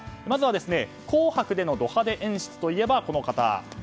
まずは「紅白」でのド派手演出といえば、この方。